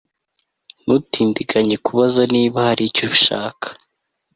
Ntutindiganye kubaza niba hari icyo ushaka